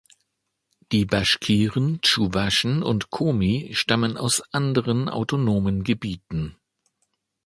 Die Baschkiren, Tschuwaschen und Komi stammen aus anderen autonomen Gebieten.